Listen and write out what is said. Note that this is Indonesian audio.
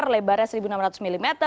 lebarnya satu enam ratus mm